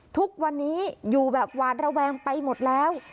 ทุกวันนี้อยู่แบบหวาดระแวงไปหมดแล้ว